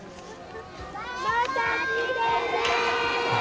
また来てね！